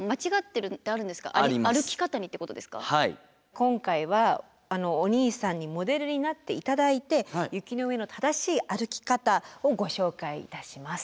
今回はお兄さんにモデルになって頂いて雪の上の正しい歩き方をご紹介いたします。